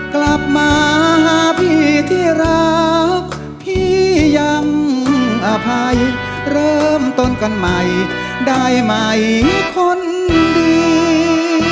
กลับมาหาพี่ที่รักพี่ยังอภัยเริ่มต้นกันใหม่ได้ไหมคนดี